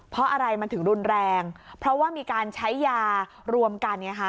เพราะอะไรมันถึงรุนแรงเพราะว่ามีการใช้ยารวมกันไงคะ